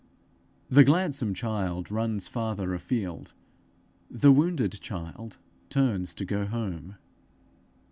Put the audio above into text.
The gladsome child runs farther afield; the wounded child turns to go home.